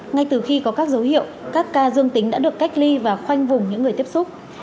ngay từ khi có các dấu hiệu các ca dương tính đã được cách ly và khoanh vùng những người tiếp xúc